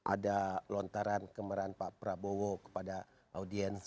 ada lontaran kemerahan pak prabowo kepada audiens